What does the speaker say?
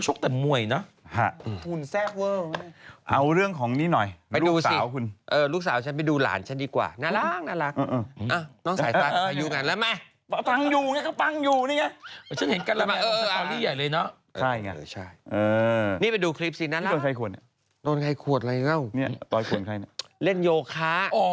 ฉันเห็นเขาชกแต่มวยเนอะ